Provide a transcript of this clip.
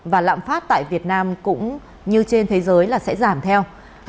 và lạm phát tại việt nam cũng như trên thế giới là sẽ giảm theo